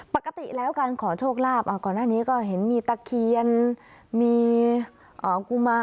ปกติแล้วการขอโชคลาภก่อนหน้านี้ก็เห็นมีตะเคียนมีกุมาร